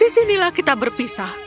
di sinilah kita berpisah